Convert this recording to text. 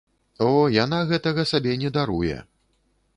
О, яна гэтага сабе не даруе!